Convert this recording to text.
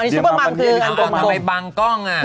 อันนี้ซุปเปอร์มอมคือมากล้องมาพอใบบังกล้องอ่า